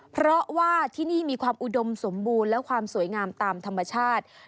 เพราะว่าที่นี่มีความอุดมสมบูรณ์และความสวยงามตามธรรมชาติ